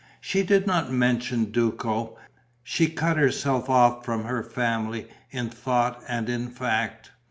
She did not mention Duco. She cut herself off from her family, in thought and in fact.